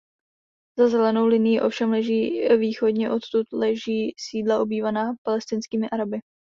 Za Zelenou linií ovšem leží východně odtud leží sídla obývaná palestinskými Araby.